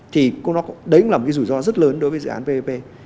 thì đấy cũng là một cái rủi ro rất lớn đối với dự án vp